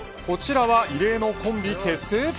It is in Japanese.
こちらは異例のコンビ結成。